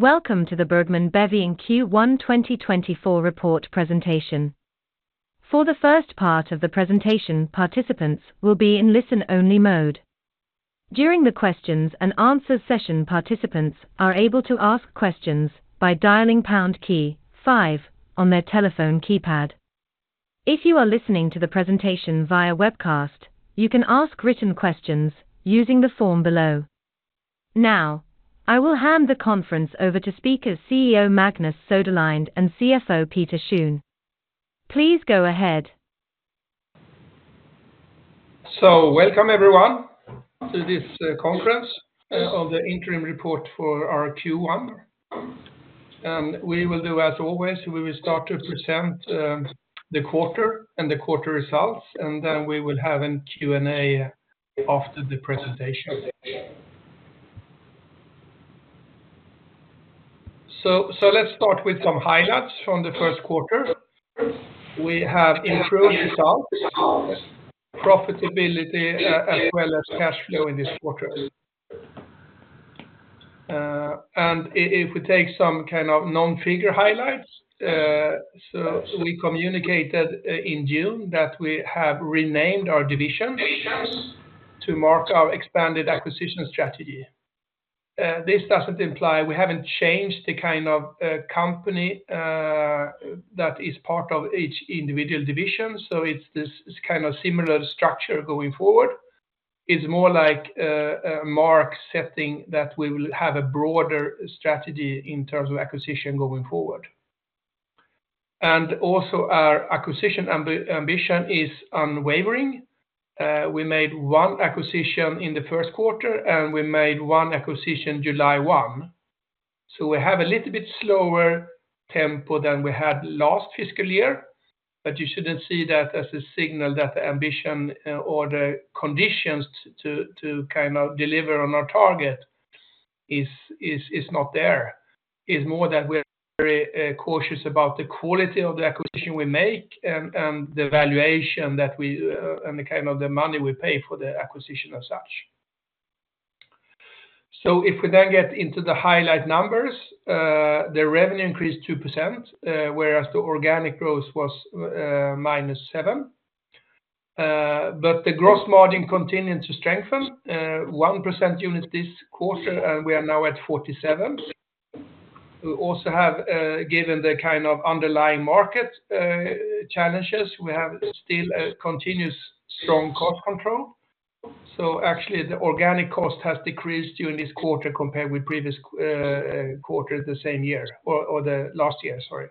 Welcome to the Bergman & Beving Q1 2024 report presentation. For the first part of the presentation, participants will be in listen-only mode. During the questions and answers session, participants are able to ask questions by dialing pound key five on their telephone keypad. If you are listening to the presentation via webcast, you can ask written questions using the form below. Now, I will hand the conference over to speakers, CEO Magnus Söderlind and CFO Peter Schön. Please go ahead. So welcome, everyone, to this conference of the interim report for our Q1. We will do as always. We will start to present the quarter and the quarter results, and then we will have a Q&A after the presentation. So let's start with some highlights from the Q1. We have improved results, profitability, as well as cash flow in this quarter. And if we take some kind of non-figure highlights, so we communicated in June that we have renamed our divisions to mark our expanded acquisition strategy. This doesn't imply we haven't changed the kind of company that is part of each individual division, so it's this kind of similar structure going forward. It's more like more accepting that we will have a broader strategy in terms of acquisition going forward. And also our acquisition ambition is unwavering. We made one acquisition in the Q1, and we made one acquisition July 1. So we have a little bit slower tempo than we had last fiscal year, but you shouldn't see that as a signal that the ambition or the conditions to kind of deliver on our target is not there. It's more that we're very cautious about the quality of the acquisition we make and the valuation that we and the kind of the money we pay for the acquisition as such. So if we then get into the highlight numbers, the revenue increased 2%, whereas the organic growth was -7%. But the gross margin continued to strengthen 1% unit this quarter, and we are now at 47. We also have, given the kind of underlying market challenges, we have still a continuous strong cost control. So actually, the organic cost has decreased during this quarter compared with previous quarter, the same year or the last year, sorry.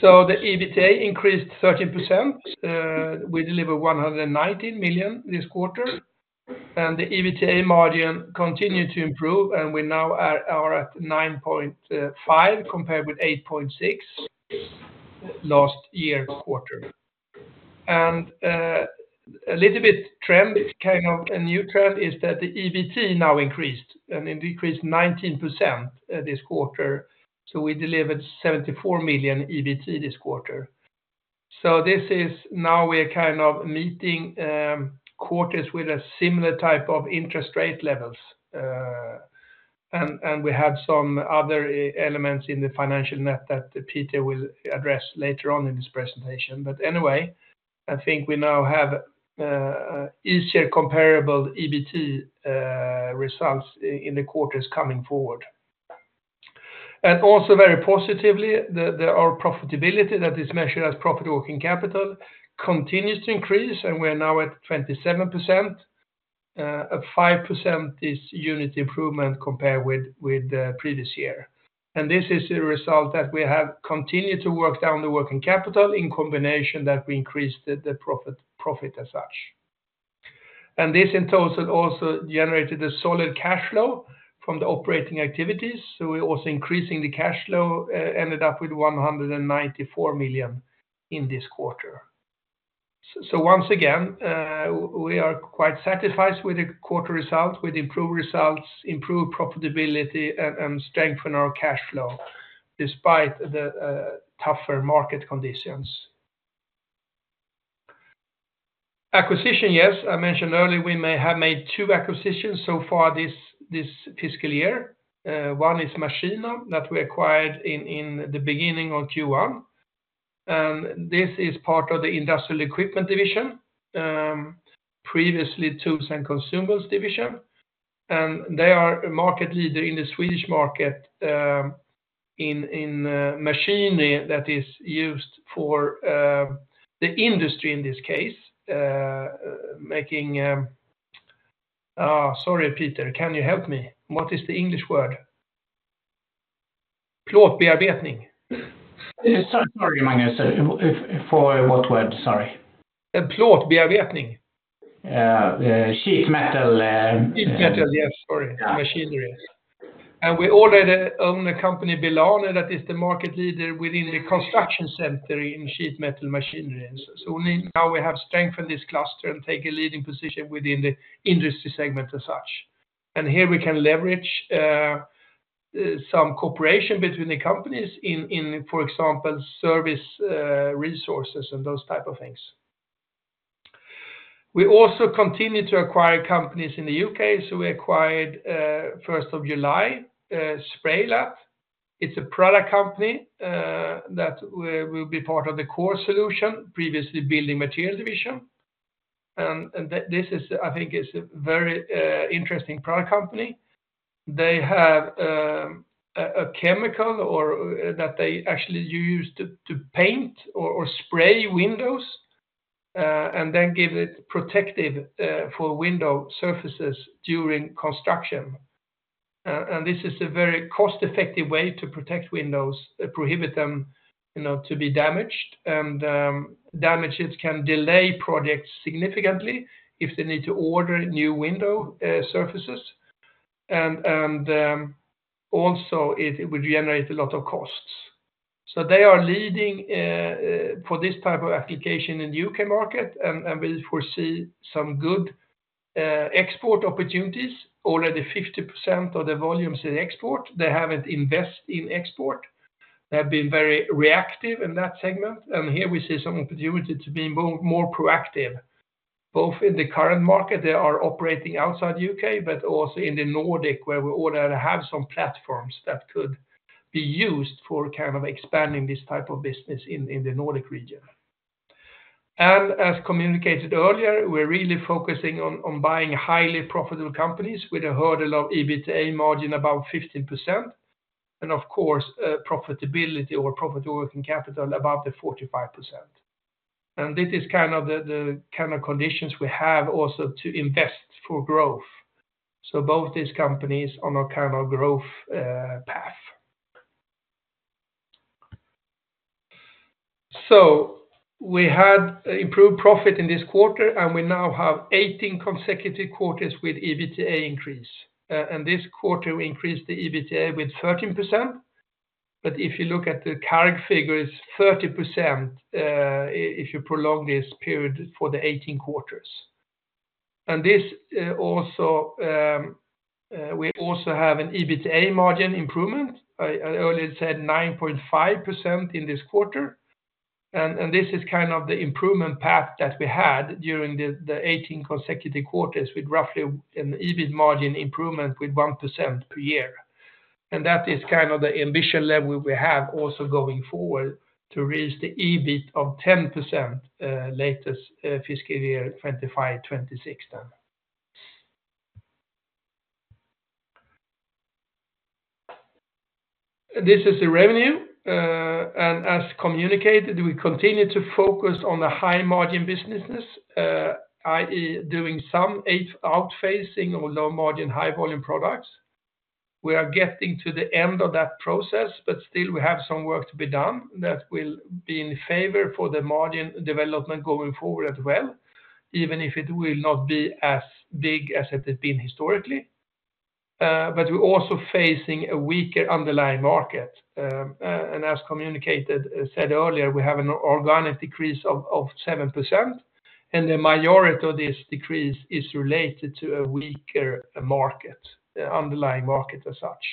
So the EBITDA increased 13%. We delivered 119 million this quarter, and the EBITDA margin continued to improve, and we now are at 9.5% compared with 8.6% last year quarter. And a little bit trend, it's kind of a new trend, is that the EBT now increased, and it increased 19% this quarter. So we delivered 74 million EBT this quarter. So this is now we are kind of meeting quarters with a similar type of interest rate levels. We have some other elements in the financial net that Peter will address later on in this presentation. But anyway, I think we now have a easier, comparable EBT results in the quarters coming forward. Also, very positively, our profitability, that is measured as profit working capital, continues to increase, and we are now at 27%. A 5% is unit improvement compared with the previous year. This is a result that we have continued to work down the working capital in combination that we increased the profit as such. This in total also generated a solid cash flow from the operating activities, so we're also increasing the cash flow, ended up with 194 million in this quarter. So once again, we are quite satisfied with the quarter results, with improved results, improved profitability, and strengthen our cash flow despite the tougher market conditions. Acquisition, yes, I mentioned earlier, we may have made two acquisitions so far this fiscal year. One is Maskinab that we acquired in the beginning of Q1, and this is part of the industrial equipment division, previously Tools and Consumables division, and they are a market leader in the Swedish market, in machinery that is used for the industry in this case, making. Sorry, Peter, can you help me? What is the English word? Plåtbearbetning. Sorry, sorry, Magnus. For what word? Sorry. Uh, plåtbearbetning. Sheet metal- Sheet metal, yes, sorry. Yeah. Machinery. We already own a company, Belano, that is the market leader within the construction center in sheet metal machinery. Now we have strengthened this cluster and take a leading position within the industry segment as such. Here we can leverage some cooperation between the companies in, for example, service, resources and those type of things. We also continue to acquire companies in the UK, so we acquired first of July Spraylat. It's a product company that will be part of the core solution, previously Building Materials division. This is, I think, a very interesting product company. They have a chemical that they actually use to paint or spray windows, and then give it protective for window surfaces during construction. And this is a very cost-effective way to protect windows, prohibit them, you know, to be damaged. And damages can delay projects significantly if they need to order new window surfaces, and also it would generate a lot of costs. So they are leading for this type of application in the U.K. market, and we foresee some good export opportunities. Already 50% of the volume is in export. They haven't invest in export. They have been very reactive in that segment, and here we see some opportunity to be more proactive, both in the current market they are operating outside U.K., but also in the Nordic, where we already have some platforms that could be used for kind of expanding this type of business in the Nordic region. And as communicated earlier, we're really focusing on buying highly profitable companies with a hurdle of EBITDA margin above 15%, and of course, profitability or profit working capital above the 45%. And this is kind of the kind of conditions we have also to invest for growth. So both these companies are on a kind of growth path. So we had improved profit in this quarter, and we now have 18 consecutive quarters with EBITDA increase. And this quarter, we increased the EBITDA with 13%, but if you look at the current figure, it's 30%, if you prolong this period for the 18 quarters. And this also we also have an EBITDA margin improvement. I earlier said 9.5% in this quarter, and this is kind of the improvement path that we had during the 18 consecutive quarters, with roughly an EBIT margin improvement with 1% per year. That is kind of the ambition level we have also going forward to reach the EBIT of 10%, latest, fiscal year 2025, 2026 then. This is the revenue, and as communicated, we continue to focus on the high margin businesses, i.e., doing some 8 outphasing or low margin, high volume products. We are getting to the end of that process, but still we have some work to be done that will be in favor for the margin development going forward as well, even if it will not be as big as it has been historically. But we're also facing a weaker underlying market. As communicated, said earlier, we have an organic decrease of 7%, and the majority of this decrease is related to a weaker market, underlying market as such.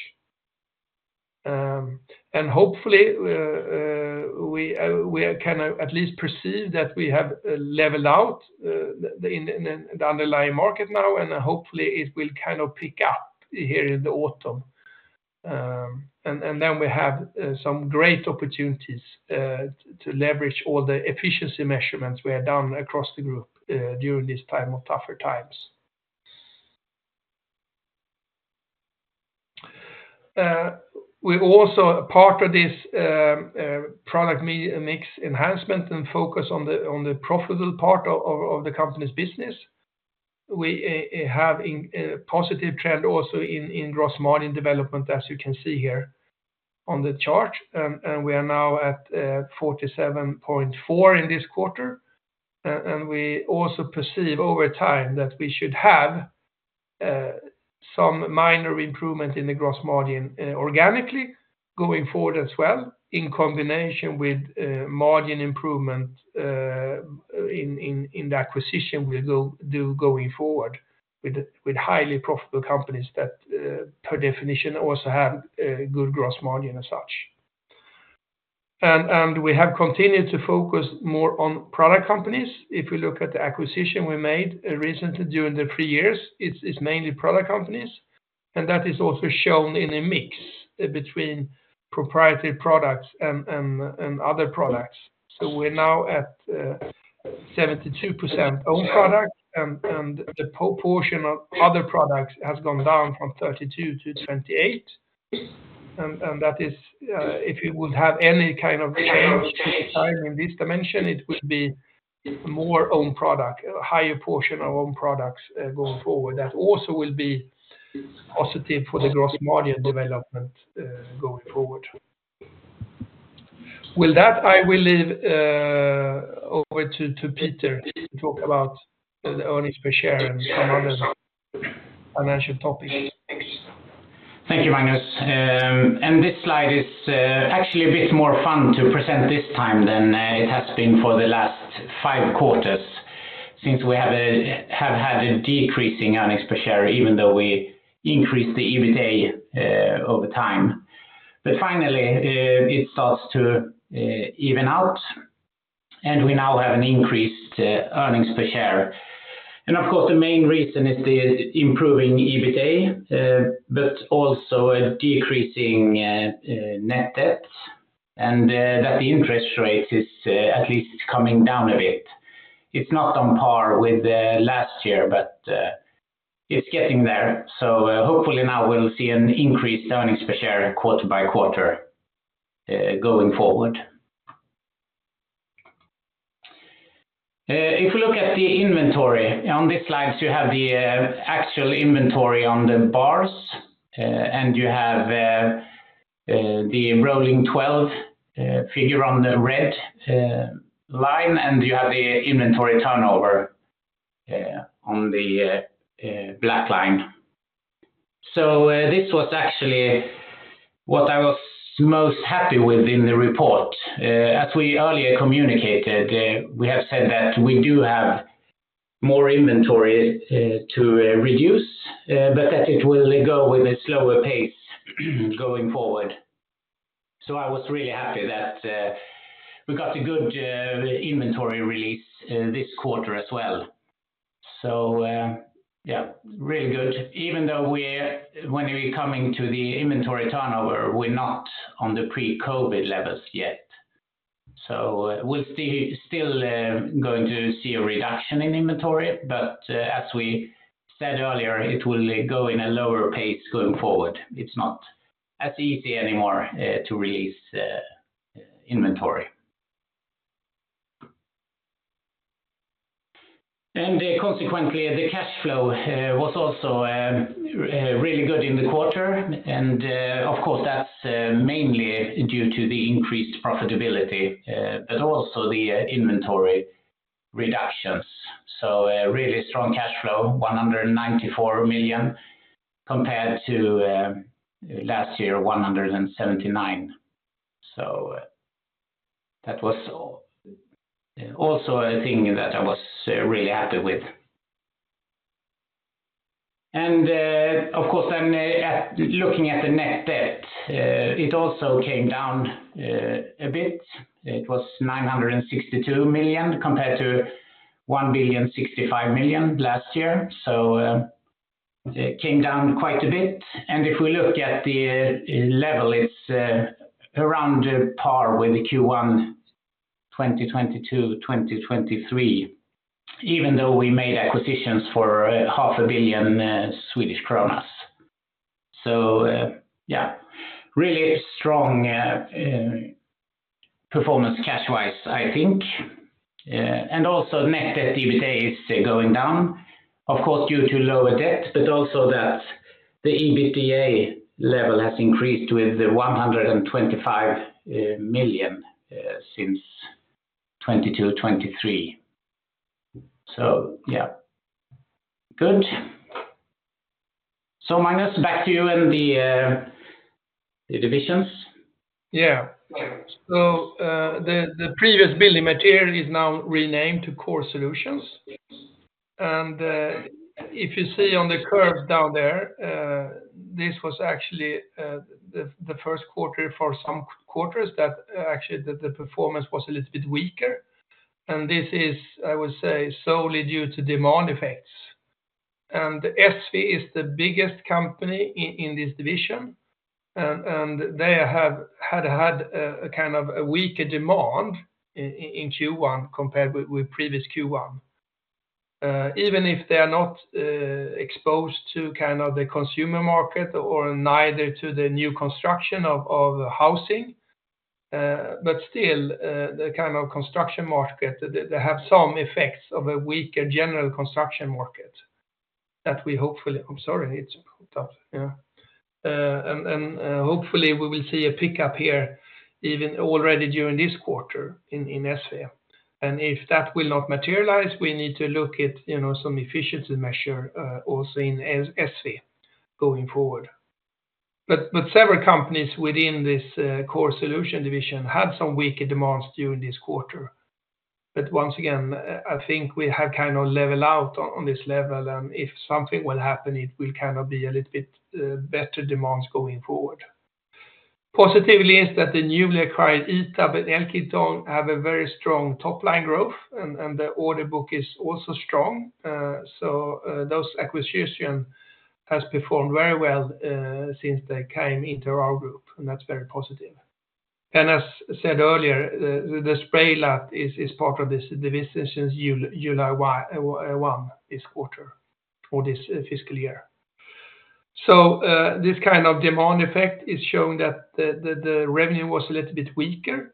And hopefully, we are kind of at least perceive that we have leveled out the underlying market now, and hopefully it will kind of pick up here in the autumn. And then we have some great opportunities to leverage all the efficiency measurements we have done across the group during this time of tougher times. We also a part of this product mix enhancement and focus on the profitable part of the company's business. We have a positive trend also in gross margin development, as you can see here on the chart. We are now at 47.4% in this quarter. We also perceive over time that we should have some minor improvement in the gross margin organically going forward as well, in combination with margin improvement in the acquisitions we do going forward with highly profitable companies that per definition also have good gross margin as such. We have continued to focus more on product companies. If we look at the acquisitions we made recently during the three years, it's mainly product companies, and that is also shown in a mix between proprietary products and other products. So we're now at 72% own product, and the portion of other products has gone down from 32% to 28%. That is, if you would have any kind of change in this dimension, it would be more own product, a higher portion of own products, going forward. That also will be positive for the gross margin development, going forward. With that, I will leave over to Peter to talk about the earnings per share and some other financial topics. Thank you, Magnus. This slide is actually a bit more fun to present this time than it has been for the last five quarters, since we have had a decreasing earnings per share, even though we increased the EBITDA over time. Finally, it starts to even out, and we now have an increased earnings per share. And of course, the main reason is the improving EBITDA, but also a decreasing net debts, and that the interest rate is at least coming down a bit. It's not on par with the last year, but it's getting there. Hopefully now we'll see an increased earnings per share quarter by quarter going forward. If you look at the inventory on these slides, you have the actual inventory on the bars, and you have the rolling twelve figure on the red line, and you have the inventory turnover on the black line. So, this was actually what I was most happy with in the report. As we earlier communicated, we have said that we do have more inventory to reduce, but that it will go with a slower pace going forward. So I was really happy that we got a good inventory release this quarter as well. So, yeah, really good. Even though when we're coming to the inventory turnover, we're not on the pre-COVID levels yet. So we'll still going to see a reduction in inventory, but as we said earlier, it will go in a lower pace going forward. It's not as easy anymore to release inventory. And consequently, the cash flow was also really good in the quarter, and of course, that's mainly due to the increased profitability, but also the inventory reductions. So a really strong cash flow, 194 million, compared to last year, 179 million. So that was also a thing that I was really happy with. And of course, then looking at the net debt, it also came down a bit. It was 962 million compared to 1,065 million last year, so it came down quite a bit. And if we look at the level, it's around par with the Q1 2022, 2023, even though we made acquisitions for 500 million Swedish kronor. So, yeah, really strong performance cash-wise, I think. And also net debt EBITDA is going down, of course, due to lower debt, but also that the EBITDA level has increased with the 125 million since 2022, 2023. So, yeah. Good. So Magnus, back to you and the divisions. Yeah. So, the previous Building Material is now renamed to Core Solutions. And, if you see on the curve down there, this was actually the Q1 for some quarters that actually the performance was a little bit weaker. And this is, I would say, solely due to demand effects. And Essve is the biggest company in this division, and they have had a kind of a weaker demand in Q1 compared with previous Q1. Even if they are not exposed to kind of the consumer market or neither to the new construction of housing, but still, the kind of construction market, they have some effects of a weaker general construction market that we hopefully—I'm sorry, it's tough. Yeah. </transcript Hopefully, we will see a pickup here, even already during this quarter in Essve And if that will not materialize, we need to look at, you know, some efficiency measure, also in Essve going forward. But several companies within this Core Solution division had some weaker demands during this quarter. But once again, I think we have kind of leveled out on this level, and if something will happen, it will kind of be a little bit better demands going forward. Positively is that the newly acquired K.I.T. and Elkington have a very strong top line growth, and the order book is also strong. So, those acquisition has performed very well since they came into our group, and that's very positive. As said earlier, the Spraylat is part of this division since July 1 this quarter for this fiscal year. This kind of demand effect is showing that the revenue was a little bit weaker.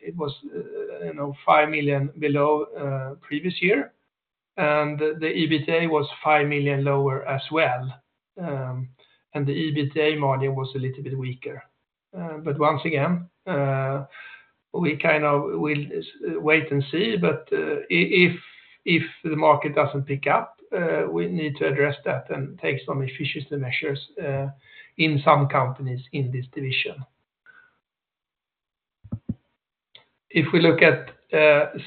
It was, you know, 5 million below previous year, and the EBITDA was 5 million lower as well, and the EBITDA margin was a little bit weaker. But once again, we kind of will wait and see, but if the market doesn't pick up, we need to address that and take some efficiency measures in some companies in this division. If we look at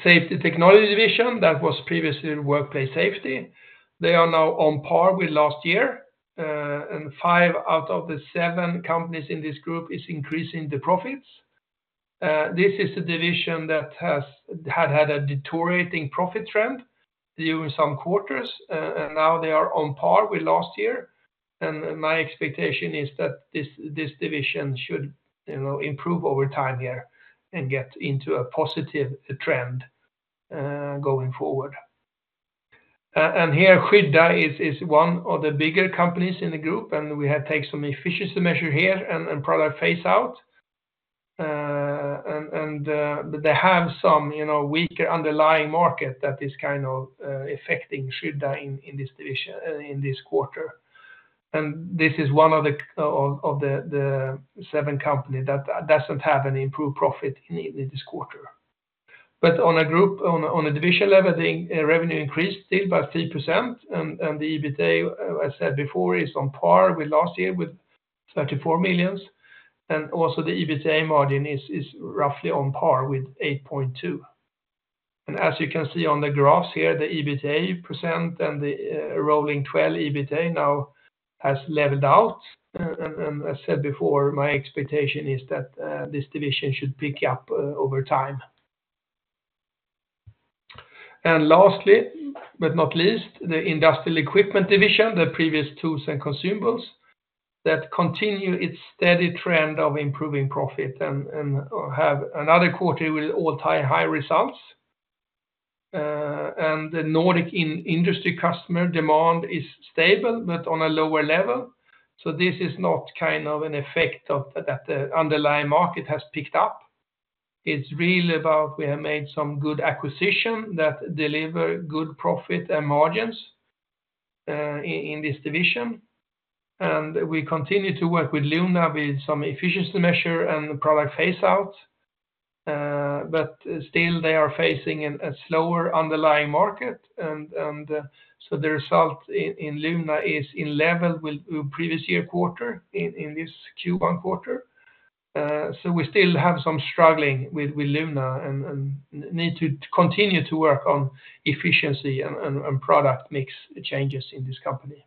Safety Technology division, that was previously in Workplace Safety, they are now on par with last year, and five out of the seven companies in this group is increasing the profits. This is a division that had a deteriorating profit trend during some quarters, and now they are on par with last year. And my expectation is that this division should, you know, improve over time here and get into a positive trend, going forward. And here, Skydda is one of the bigger companies in the group, and we have taken some efficiency measure here and product phase out. But they have some, you know, weaker underlying market that is kind of affecting Skydda in this division, in this quarter. This is one of the seven companies that doesn't have any improved profit in this quarter. But on a group, on a division level, the revenue increased still by 3%, and the EBITDA, as said before, is on par with last year, with 34 million, and also the EBITDA margin is roughly on par with 8.2%. And as you can see on the graphs here, the EBITDA % and the rolling twelve EBITDA now has leveled out. And as said before, my expectation is that this division should pick up over time. And lastly, but not least, the Industrial Equipment division, the previous tools and consumables, that continue its steady trend of improving profit and have another quarter with all-time high results. And the Nordic industrial customer demand is stable, but on a lower level. So this is not kind of an effect of that, underlying market has picked up. It's really about we have made some good acquisition that deliver good profit and margins, in this division. And we continue to work with Luna with some efficiency measure and product phase out, but still they are facing a slower underlying market, and so the result in Luna is in level with previous year quarter in this Q1 quarter. So we still have some struggling with Luna and need to continue to work on efficiency and product mix changes in this company.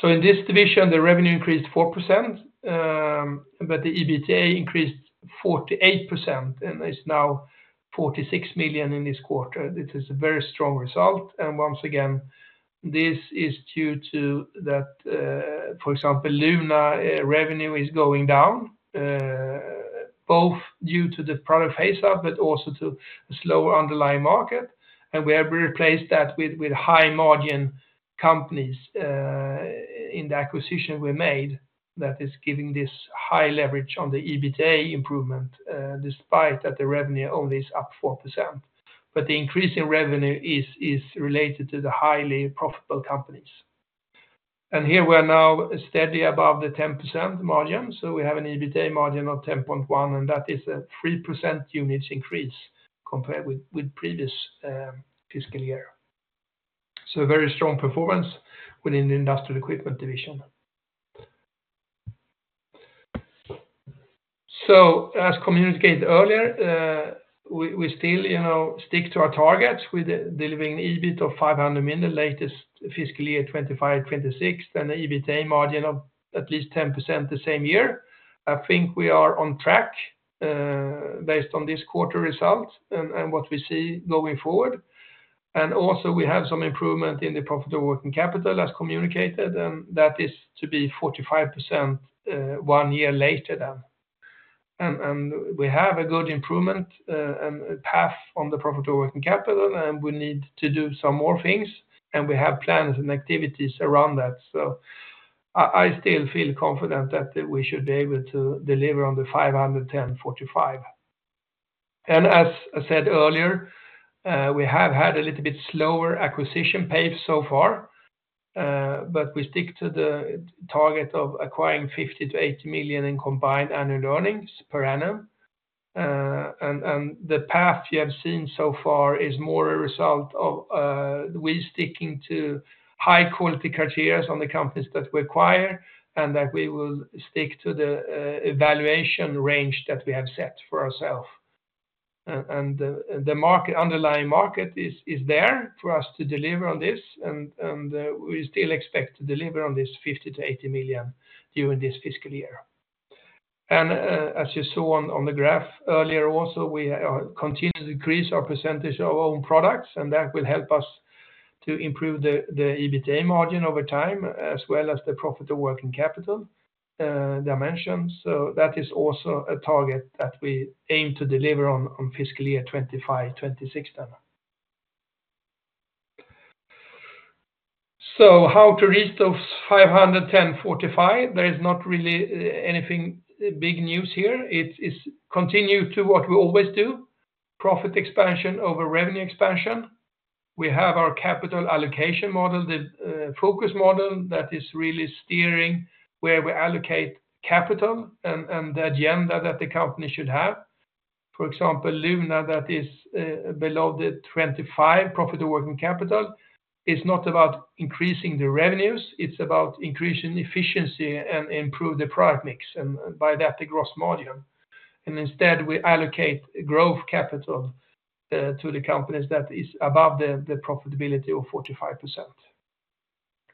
So in this division, the revenue increased 4%, but the EBITDA increased 48% and is now 46 million in this quarter. This is a very strong result, and once again, this is due to that, for example, Luna revenue is going down, both due to the product phase out, but also to slower underlying market. And we have replaced that with high-margin companies in the acquisition we made that is giving this high leverage on the EBITDA improvement, despite that the revenue only is up 4%. But the increase in revenue is related to the highly profitable companies. And here we are now steady above the 10% margin, so we have an EBITDA margin of 10.1%, and that is a 3 percentage points increase compared with previous fiscal year. So a very strong performance within the Industrial Equipment division. So as communicated earlier, we still, you know, stick to our targets with delivering an EBIT of 500 million, the latest fiscal year, 2025-26, then the EBITDA margin of at least 10% the same year. I think we are on track, based on this quarter results and what we see going forward. And also, we have some improvement in the profitable working capital as communicated, and that is to be 45%, one year later then. And we have a good improvement, and a path on the profitable working capital, and we need to do some more things, and we have plans and activities around that. So I still feel confident that we should be able to deliver on the 500 10 45. As I said earlier, we have had a little bit slower acquisition pace so far, but we stick to the target of acquiring 50 million-80 million in combined annual earnings per annum. And the path you have seen so far is more a result of we sticking to high-quality criteria on the companies that we acquire, and that we will stick to the valuation range that we have set for ourselves. And the underlying market is there for us to deliver on this, and we still expect to deliver on this 50 million-80 million during this fiscal year. As you saw on the graph earlier also, we continue to decrease our percentage of own products, and that will help us to improve the EBITDA margin over time, as well as the profit of working capital dimension. That is also a target that we aim to deliver on fiscal year 2025, 2026 then. How to reach those 510 45? There is not really anything big news here. It is continue to what we always do, profit expansion over revenue expansion. We have our capital allocation model, the focus model, that is really steering where we allocate capital and the agenda that the company should have. For example, Luna, that is below the 25 profit working capital, is not about increasing the revenues, it's about increasing efficiency and improve the product mix, and by that, the gross margin... And instead, we allocate growth capital to the companies that is above the profitability of 45%.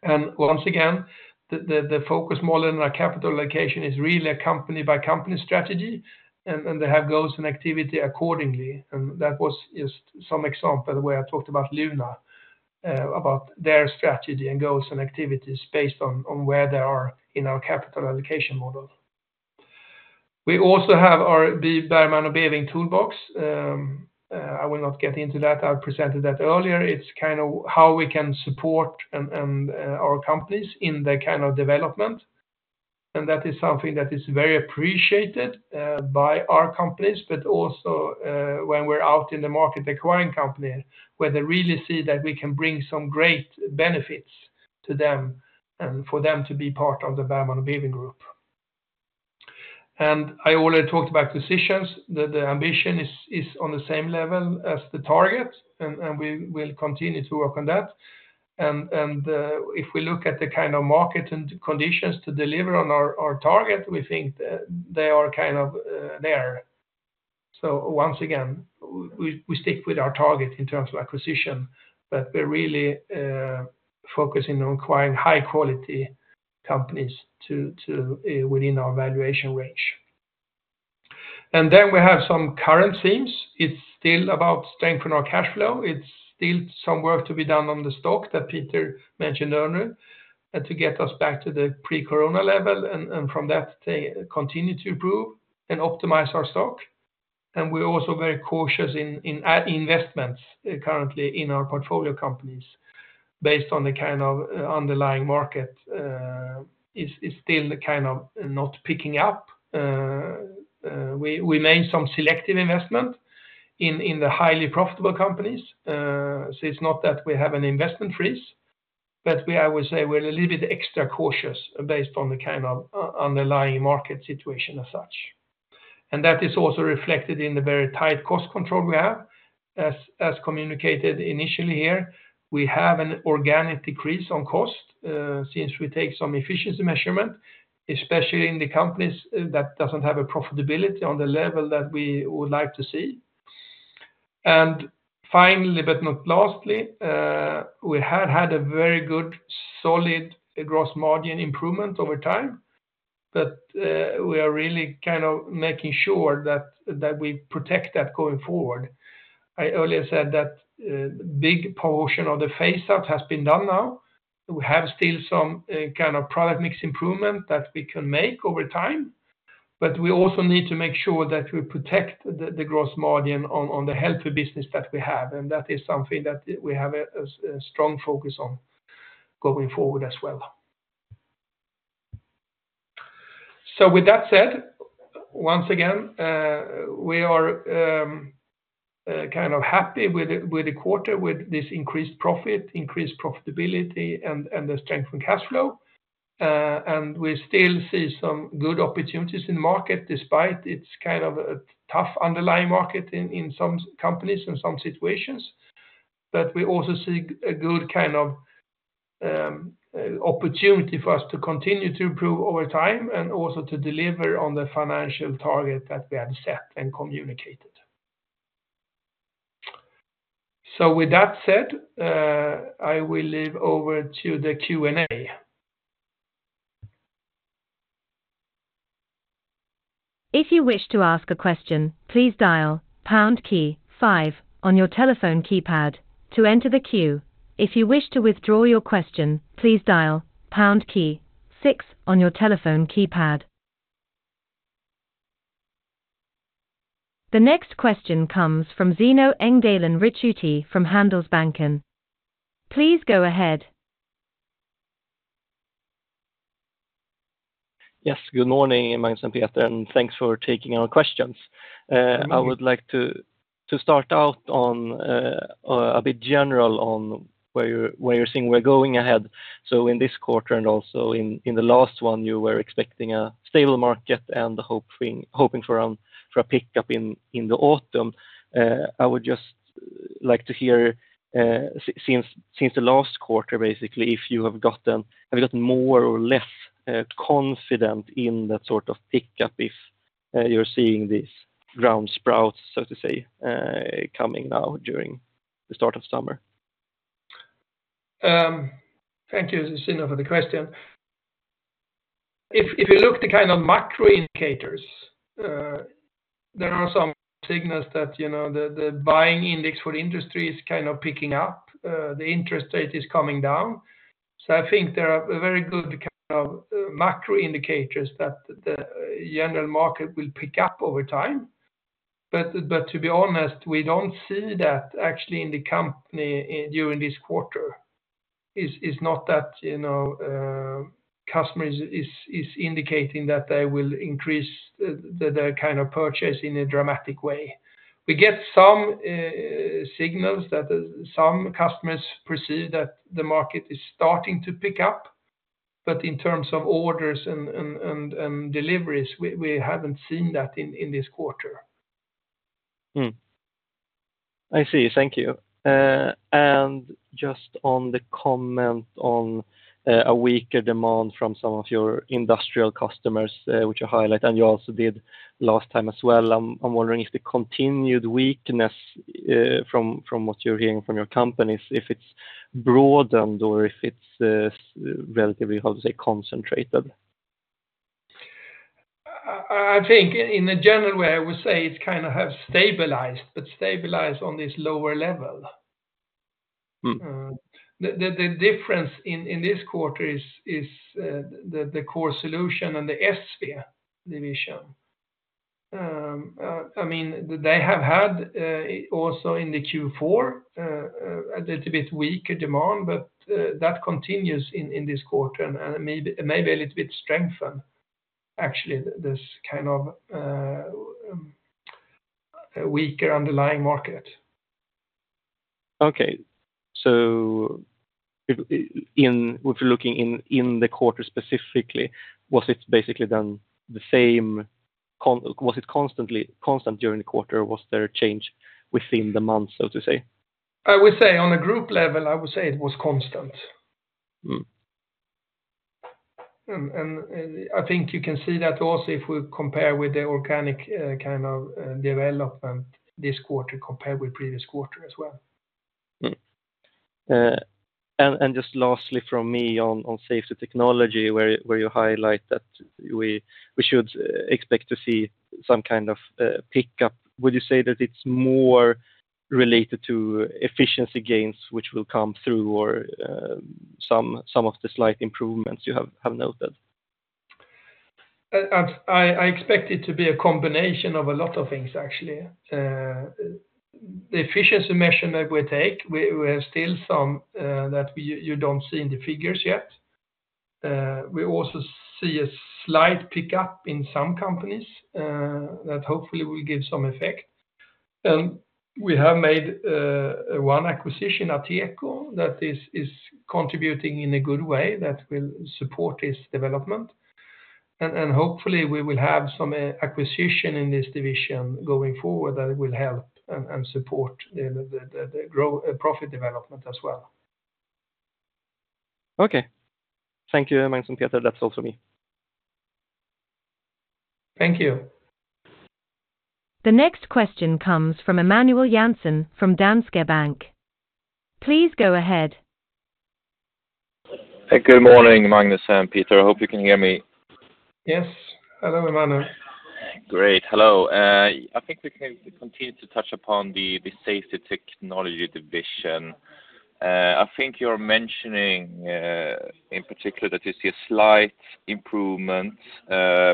And once again, the focus more on our capital allocation is really a company by company strategy, and they have goals and activity accordingly. And that was just some example where I talked about Luna about their strategy and goals and activities based on where they are in our capital allocation model. We also have our Bergman & Beving toolbox. I will not get into that. I presented that earlier. It's kind of how we can support our companies in the kind of development, and that is something that is very appreciated by our companies, but also when we're out in the market acquiring company, where they really see that we can bring some great benefits to them, and for them to be part of the Bergman & Beving group. I already talked about decisions, that the ambition is on the same level as the target, and we will continue to work on that. If we look at the kind of market and conditions to deliver on our target, we think they are kind of there. So once again, we stick with our target in terms of acquisition, but we're really focusing on acquiring high quality companies to within our valuation range. Then we have some current themes. It's still about strengthening our cash flow. It's still some work to be done on the stock that Peter mentioned earlier, and to get us back to the pre-corona level, and from that, they continue to improve and optimize our stock. And we're also very cautious in investments, currently in our portfolio companies, based on the kind of underlying market is still the kind of not picking up. We made some selective investment in the highly profitable companies. So it's not that we have an investment freeze, but I would say we're a little bit extra cautious based on the kind of underlying market situation as such. And that is also reflected in the very tight cost control we have. As communicated initially here, we have an organic decrease on cost, since we take some efficiency measurement, especially in the companies that doesn't have a profitability on the level that we would like to see. And finally, but not lastly, we had had a very good solid gross margin improvement over time, but we are really kind of making sure that we protect that going forward. I earlier said that big portion of the phase out has been done now. We have still some kind of product mix improvement that we can make over time, but we also need to make sure that we protect the gross margin on the healthy business that we have, and that is something that we have a strong focus on going forward as well. So with that said, once again, we are kind of happy with the quarter, with this increased profit, increased profitability, and the strengthened cash flow. And we still see some good opportunities in the market, despite it's kind of a tough underlying market in some companies and some situations. But we also see a good kind of opportunity for us to continue to improve over time, and also to deliver on the financial target that we have set and communicated. So with that said, I will leave over to the Q&A. If you wish to ask a question, please dial pound key five on your telephone keypad to enter the queue. If you wish to withdraw your question, please dial pound key six on your telephone keypad. The next question comes from Sino Engdalen Ricciuti from Handelsbanken. Please go ahead. Yes, good morning, Magnus and Peter, and thanks for taking our questions. I would like to start out on a bit general on where you're seeing we're going ahead. So in this quarter, and also in the last one, you were expecting a stable market and hoping for a pickup in the autumn. I would just like to hear, since the last quarter, basically, if you have gotten more or less confident in that sort of pickup, if you're seeing this ground sprouts, so to say, coming now during the start of summer? Thank you, Zeno, for the question. If you look the kind of macro indicators, there are some signals that, you know, the buying index for industry is kind of picking up, the interest rate is coming down. So I think there are a very good kind of macro indicators that the general market will pick up over time. But to be honest, we don't see that actually in the company during this quarter. It's not that, you know, customers is indicating that they will increase the kind of purchase in a dramatic way. We get some signals that some customers perceive that the market is starting to pick up, but in terms of orders and deliveries, we haven't seen that in this quarter.... Hmm. I see. Thank you. And just on the comment on a weaker demand from some of your industrial customers, which you highlight, and you also did last time as well. I'm wondering if the continued weakness from what you're hearing from your companies, if it's broadened or if it's relatively, how to say, concentrated? I think in a general way, I would say it's kind of have stabilized, but stabilized on this lower level The difference in this quarter is the core solution and the S-sphere division. I mean, they have had also in the Q4 a little bit weaker demand, but that continues in this quarter, and maybe a little bit strengthened, actually, this kind of a weaker underlying market. Okay. So if you're looking in the quarter specifically, was it basically then the same, was it constant during the quarter, or was there a change within the month, so to say? I would say on a group level, I would say it was constan I think you can see that also if we compare with the organic kind of development this quarter compared with previous quarter as well. Just lastly from me on safety technology, where you highlight that we should expect to see some kind of pickup. Would you say that it's more related to efficiency gains, which will come through, or some of the slight improvements you have noted? I expect it to be a combination of a lot of things, actually. The efficiency measure that we take, we have still some that you don't see in the figures yet. We also see a slight pickup in some companies that hopefully will give some effect. We have made one acquisition at Tieco that is contributing in a good way that will support this development. Hopefully, we will have some acquisition in this division going forward that will help and support the growth, profit development as well. Okay. Thank you, Magnus and Peter. That's all for me. Thank you. The next question comes from Emanuel Jansson, from Danske Bank. Please go ahead. Hey, good morning, Magnus and Peter. I hope you can hear me. Yes. Hello, Emmanuel. Great. Hello. I think we can continue to touch upon the safety technology division. I think you're mentioning in particular that you see a slight improvement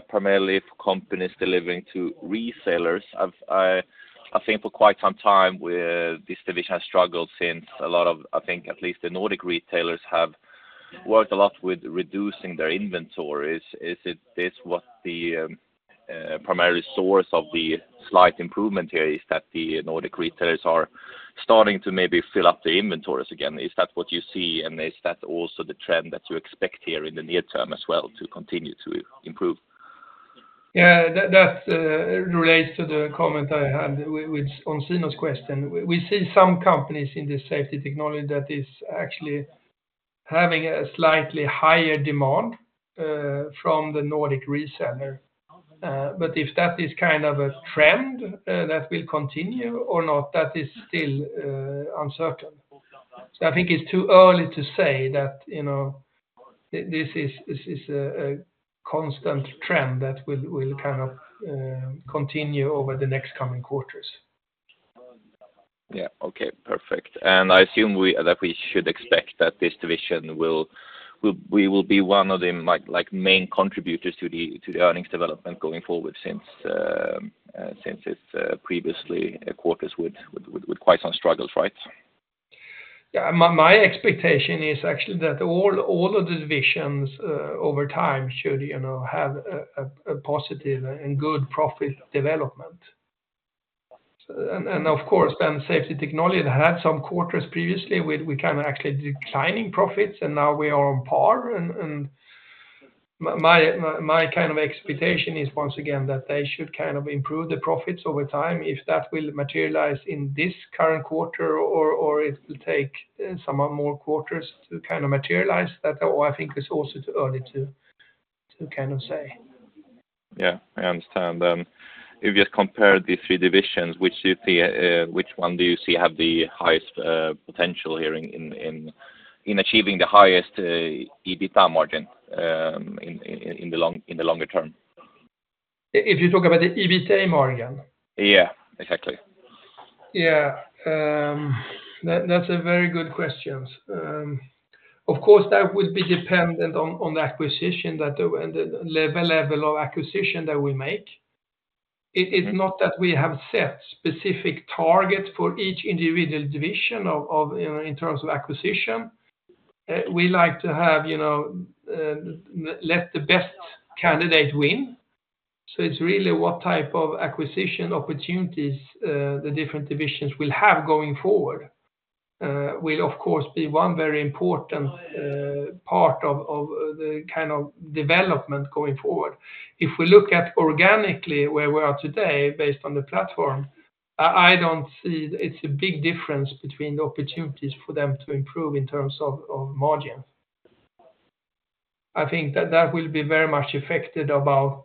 primarily for companies delivering to resellers. I've I think for quite some time with this division has struggled since a lot of I think at least the Nordic retailers have worked a lot with reducing their inventory. Is it this what the primary source of the slight improvement here is that the Nordic retailers are starting to maybe fill up the inventories again? Is that what you see, and is that also the trend that you expect here in the near term as well, to continue to improve? Yeah, that relates to the comment I had with, on Sino's question. We see some companies in the safety technology that is actually having a slightly higher demand from the Nordic reseller. But if that is kind of a trend that will continue or not, that is still uncertain. So I think it's too early to say that, you know, this is, this is a constant trend that will kind of continue over the next coming quarters. Yeah. Okay, perfect. And I assume that we should expect that this division will, we will be one of the, like, main contributors to the earnings development going forward since it's previous quarters with quite some struggles, right? Yeah. My expectation is actually that all of the divisions over time should, you know, have a positive and good profit development. And of course, then safety technology had some quarters previously with kind of actually declining profits, and now we are on par. And my kind of expectation is, once again, that they should kind of improve the profits over time. If that will materialize in this current quarter or it will take some more quarters to kind of materialize that, I think it's also too early to kind of say. Yeah, I understand. If you compare the three divisions, which one do you see have the highest potential here in achieving the highest EBITDA margin in the longer term? If you talk about the EBITDA margin? Yeah, exactly. Yeah. That, that's a very good question. Of course, that would be dependent on the acquisition and the level of acquisition that we make. It's not that we have set specific targets for each individual division of, you know, in terms of acquisition. We like to have, you know, let the best candidate win. So it's really what type of acquisition opportunities the different divisions will have going forward will of course be one very important part of the kind of development going forward. If we look at organically where we are today based on the platform, I don't see it's a big difference between the opportunities for them to improve in terms of margin. I think that will be very much affected about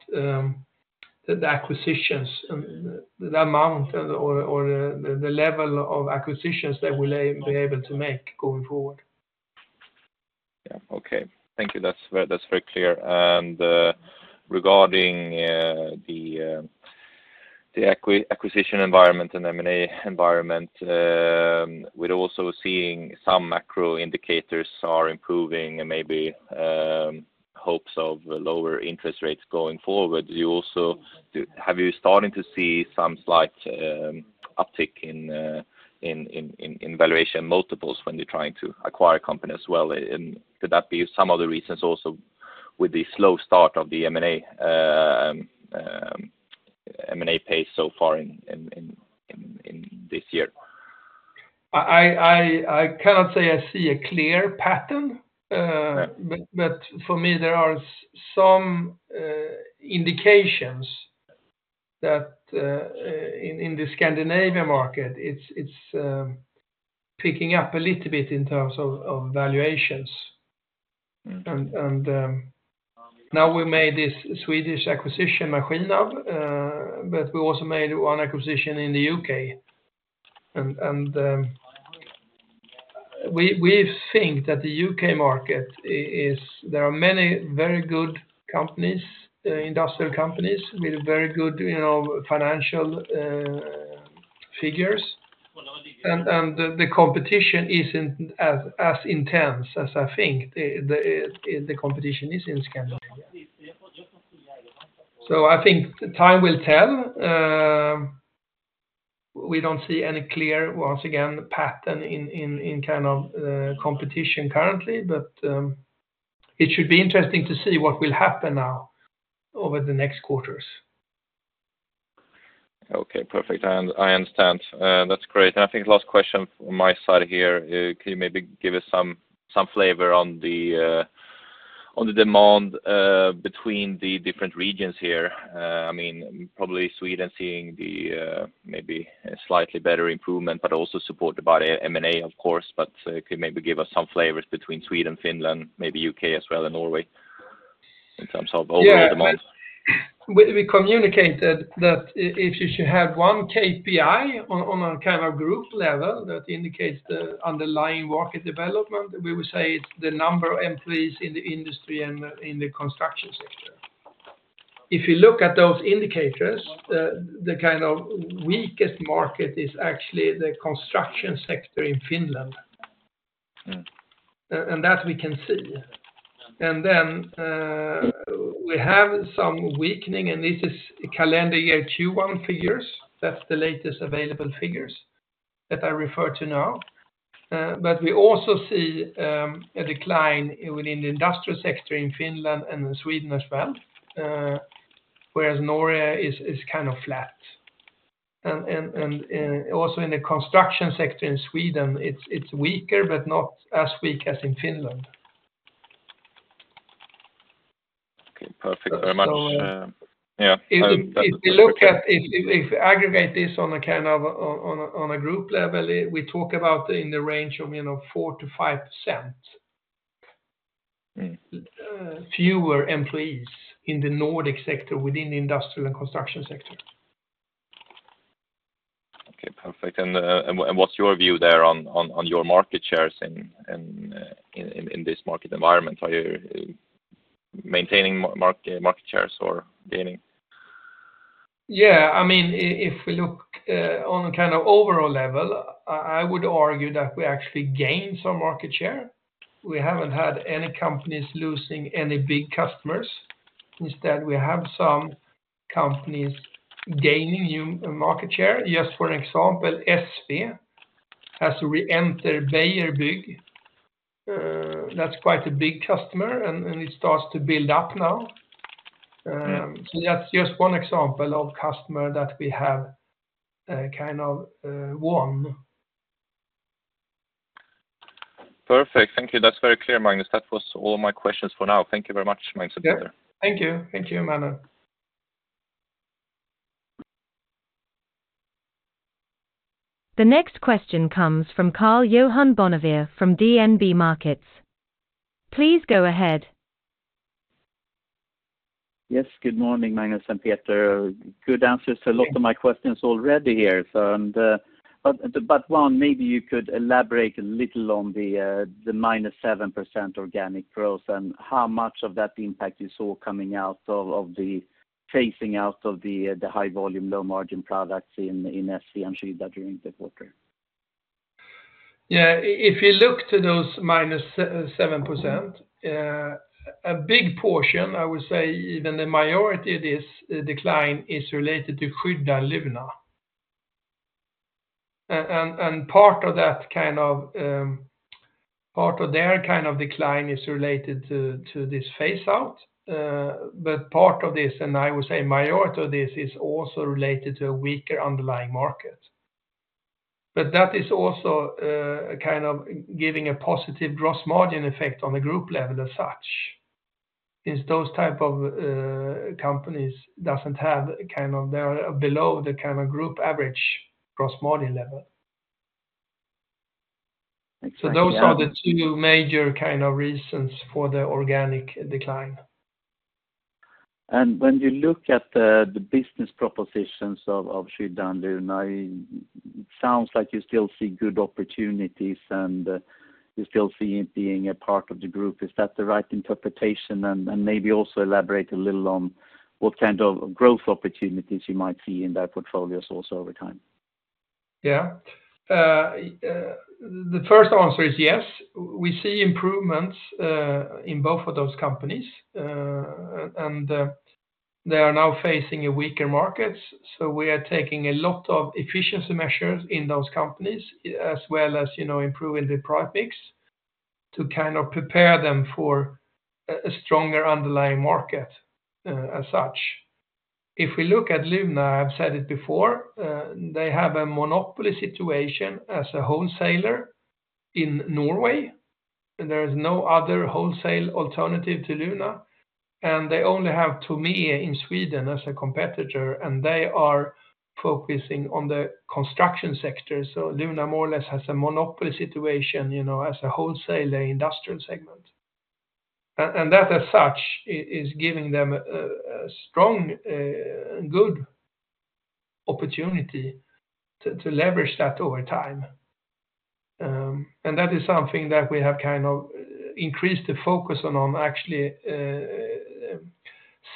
the acquisitions and the amount or the level of acquisitions they will be able to make going forward. Yeah. Okay. Thank you. That's very, that's very clear. And regarding the acquisition environment and M&A environment, we're also seeing some macro indicators are improving and maybe hopes of lower interest rates going forward. Do you also have you starting to see some slight uptick in valuation multiples when you're trying to acquire companies well? And could that be some of the reasons also with the slow start of the M&A pace so far in this year? I cannot say I see a clear pattern. Yeah. But for me, there are some indications that in the Scandinavia market, it's picking up a little bit in terms of valuations. Mm. Now we made this Swedish acquisition, Maskinab, but we also made one acquisition in the U.K. We think that the U.K. market is. There are many very good companies, industrial companies with very good, you know, financial figures. The competition isn't as intense as I think the competition is in Scandinavia. So I think time will tell. We don't see any clear, once again, pattern in kind of competition currently, but it should be interesting to see what will happen now over the next quarters. Okay, perfect. I understand. That's great. And I think last question from my side here, can you maybe give us some flavor on the demand between the different regions here? I mean, probably Sweden seeing the maybe a slightly better improvement, but also supported by M&A, of course. But can you maybe give us some flavors between Sweden, Finland, maybe UK as well, and Norway, in terms of overall demand? Yeah. We communicated that if you should have one KPI on a kind of group level that indicates the underlying market development, we would say it's the number of employees in the industry and in the construction sector. If you look at those indicators, the kind of weakest market is actually the construction sector in Finland. Mm. That we can see. And then, we have some weakening, and this is calendar year Q1 figures. That's the latest available figures that I refer to now. But we also see a decline within the industrial sector in Finland and in Sweden as well, whereas Norway is kind of flat. And also in the construction sector in Sweden, it's weaker, but not as weak as in Finland. Okay, perfect. Very much, yeah, If you look at aggregate on a kind of a group level, we talk about in the range of, you know, 4%-5% fewer employees in the Nordic sector within the industrial and construction sector. Okay, perfect. And what's your view there on your market shares in this market environment? Are you maintaining market shares or gaining? Yeah, I mean, if we look on a kind of overall level, I would argue that we actually gained some market share. We haven't had any companies losing any big customers. Instead, we have some companies gaining new market share. Just for example, SV, as we enter Beijer Bygg, that's quite a big customer, and it starts to build up now. Mm. That's just one example of customer that we have, kind of, won. Perfect. Thank you. That's very clear, Magnus. That was all my questions for now. Thank you very much, Magnus and Peter. Yeah. Thank you. Thank you, Manuel. The next question comes from Karl-Johan Bonnevier from DNB Markets. Please go ahead. Yes, good morning, Magnus and Peter. Good answers to a lot of my questions already here. So and, but one, maybe you could elaborate a little on the minus 7% organic growth and how much of that impact you saw coming out of the phasing out of the high volume, low margin products in SV and Skydda during the quarter. Yeah, if you look to those -7%, a big portion, I would say even the majority of this decline is related to Skydda and Luna. Part of their kind of decline is related to this phase out. But part of this, and I would say majority of this, is also related to a weaker underlying market. But that is also kind of giving a positive gross margin effect on the group level as such, is those type of companies doesn't have kind of they are below the kind of group average gross margin level. So those are the two major kind of reasons for the organic decline. And when you look at the business propositions of Skydda and Luna, it sounds like you still see good opportunities and you still see it being a part of the group. Is that the right interpretation? And maybe also elaborate a little on what kind of growth opportunities you might see in that portfolios also over time. Yeah. The first answer is yes, we see improvements in both of those companies. And they are now facing a weaker market, so we are taking a lot of efficiency measures in those companies, as well as, you know, improving the product mix to kind of prepare them for a stronger underlying market, as such. If we look at Luna, I've said it before, they have a monopoly situation as a wholesaler in Norway, and there is no other wholesale alternative to Luna, and they only have Tome'e in Sweden as a competitor, and they are focusing on the construction sector. So Luna more or less has a monopoly situation, you know, as a wholesaler industrial segment. And that as such is giving them a strong good opportunity to leverage that over time. And that is something that we have kind of increased the focus on, on actually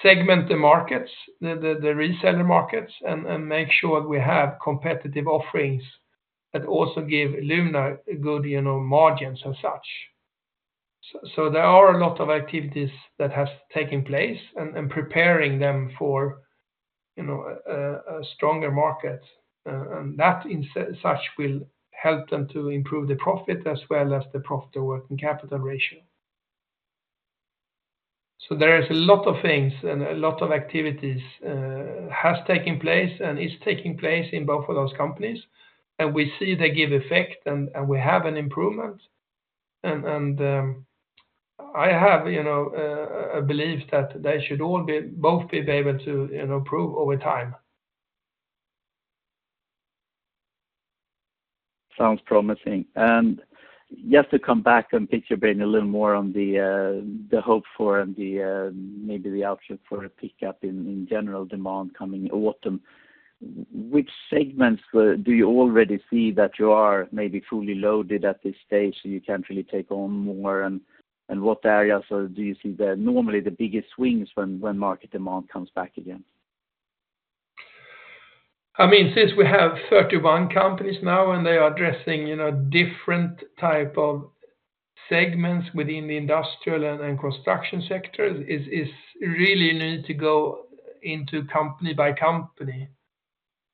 segment the markets, the reseller markets, and make sure we have competitive offerings that also give Luna a good, you know, margins as such. So there are a lot of activities that has taken place and preparing them for, you know, a stronger market, and that in such will help them to improve the profit as well as the profit working capital ratio. So there is a lot of things and a lot of activities has taken place and is taking place in both of those companies, and we see they give effect and we have an improvement. And I have, you know, a belief that they should all be, both be able to, you know, improve over time. Sounds promising. And just to come back and pick your brain a little more on the hope for and maybe the option for a pickup in general demand coming autumn, which segments do you already see that you are maybe fully loaded at this stage, so you can't really take on more? And what areas do you see normally the biggest swings when market demand comes back again? I mean, since we have 31 companies now and they are addressing, you know, different type of segments within the industrial and construction sector, is really need to go into company by company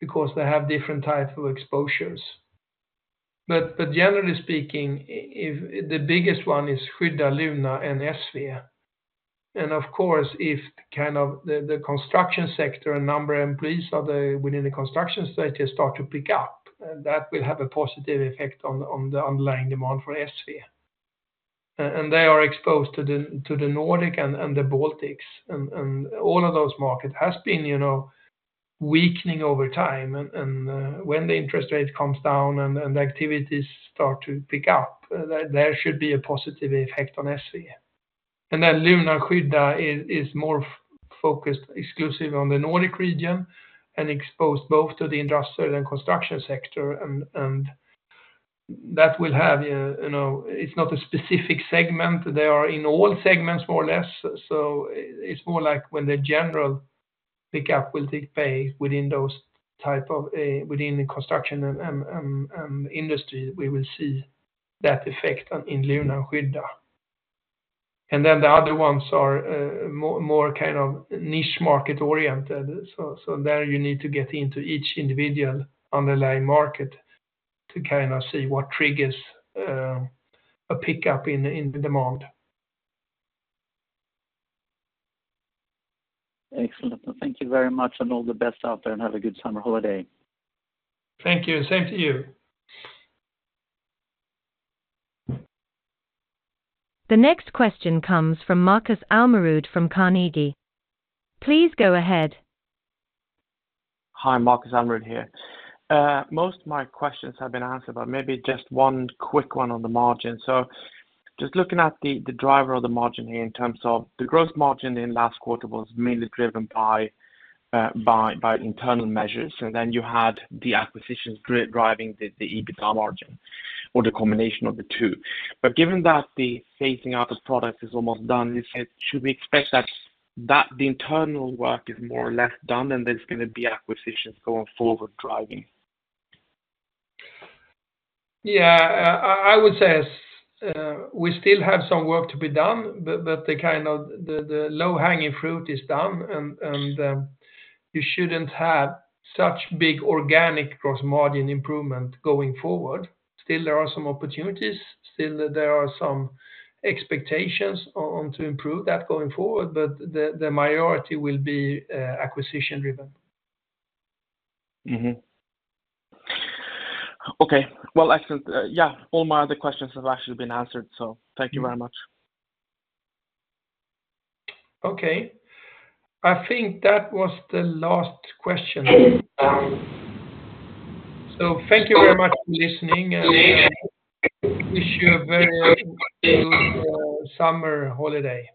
because they have different type of exposures. But generally speaking, if the biggest one is Skydda, Luna, and SV. And of course, if kind of the construction sector and number employees of the within the construction sector start to pick up, that will have a positive effect on the underlying demand for SV. And they are exposed to the Nordic and the Baltics, and all of those markets has been, you know, weakening over time. And when the interest rate comes down and the activities start to pick up, there should be a positive effect on SV. And then Luna and Skydda is more focused exclusively on the Nordic region and exposed both to the industrial and construction sector, and that will have, you know, it's not a specific segment. They are in all segments, more or less. So it's more like when the general pickup will take place within those type of within the construction and industry, we will see that effect on in Luna and Skydda. And then the other ones are more kind of niche market oriented. So there you need to get into each individual underlying market to kind of see what triggers a pickup in the demand. Excellent. Thank you very much, and all the best out there, and have a good summer holiday. Thank you. Same to you. The next question comes from Marcus Almerud, from Carnegie. Please go ahead. Hi, Marcus Almerud here. Most of my questions have been answered, but maybe just one quick one on the margin. So just looking at the driver of the margin here in terms of the growth margin in last quarter was mainly driven by internal measures, and then you had the acquisitions driving the EBITDA margin, or the combination of the two. But given that the phasing out of product is almost done, should we expect that the internal work is more or less done, and there's gonna be acquisitions going forward driving? Yeah, I would say as we still have some work to be done, but the kind of low-hanging fruit is done and you shouldn't have such big organic gross margin improvement going forward. Still, there are some opportunities, still there are some expectations to improve that going forward, but the majority will be acquisition driven. Mm-hmm. Okay. Well, excellent. Yeah, all my other questions have actually been answered, so thank you very much. Okay. I think that was the last question. So thank you very much for listening, and wish you a very summer holiday.